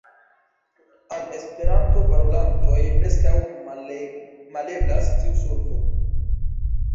Al Esperanto-parolantoj preskaŭ maleblas tiu solvo.